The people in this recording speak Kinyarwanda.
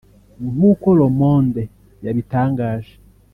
nk’uko Le Monde yabitangaje